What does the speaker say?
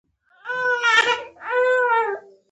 دا کار د دې سبب کیږي چې مساله په چاودونو کې ننوځي.